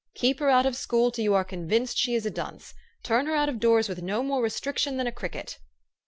" Keep her out of school till you are convinced she is a dunce. Turn her out of doors with no more restriction than a cricket."